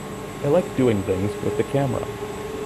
I like doing things with the camera.